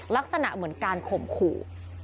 ลักษณะเหมือนการข่มขู่